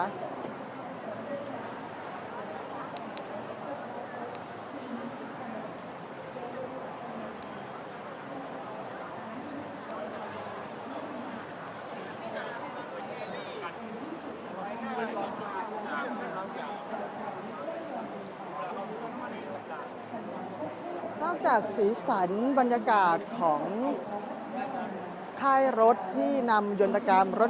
นอกจากสีสันบรรยากาศของค่ายรถที่นำยนตกรรมรถ